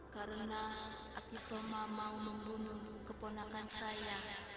karena api soma mau membunuh keponakan saya